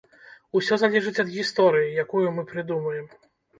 Усё залежыць ад гісторыі, якую мы прыдумаем.